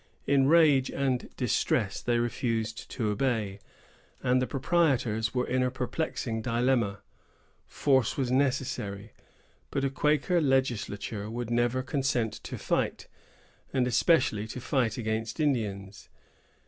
In rage and distress they refused to obey, and the proprietors were in a perplexing dilemma. Force was necessary; but a Quaker legislature would never consent to fight, and especially to fight against Indians.